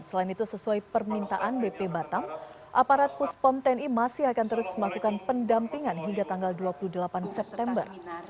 selain itu sesuai permintaan bp batam aparat puspom tni masih akan terus melakukan pendampingan hingga tanggal dua puluh delapan september